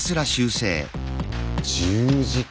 １０時間！